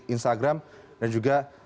instagram dan juga